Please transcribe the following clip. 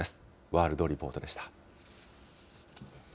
ワールドリポートでした。